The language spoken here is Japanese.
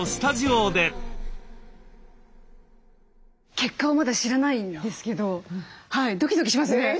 結果はまだ知らないんですけどドキドキしますね。